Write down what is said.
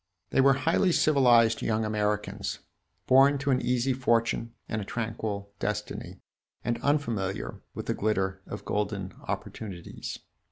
They were highly civilized young Americans, born to an easy fortune and a tranquil destiny, and unfamiliar with the glitter of golden opportunities.